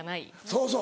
そうそう。